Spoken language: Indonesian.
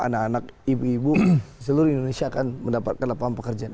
anak anak ibu ibu seluruh indonesia akan mendapatkan keuntungan